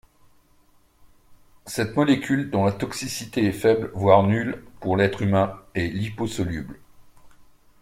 Cette molécule, dont la toxicité est faible voire nulle pour l'être humain, est liposoluble.